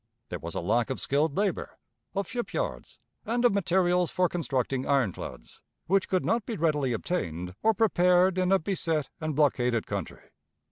There was a lack of skilled labor, of ship yards, and of materials for constructing ironclads, which could not be readily obtained or prepared in a beset and blockaded country.